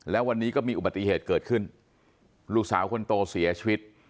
แล้ววันนี้ก็มีอุบัติเหตุเกิดขึ้นลูกสาวคนโตเสียชีวิต